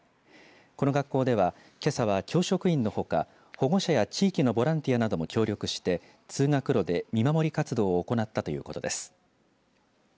この学校ではけさは、教職員のほか保護者や地域のボランティアなども協力して通学路で見守り活動を行ったということです。